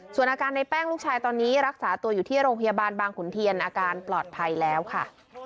ส่วนอาการในแป้งลูกชายตอนนี้รักษาตัวอยู่ที่โรงพยาบาลบางขุนเทียนอาการปลอดภัยแล้วค่ะ